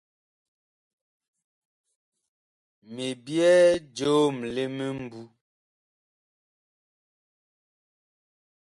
Mi byɛɛ joom li mimbu.